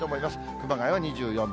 熊谷は２４度。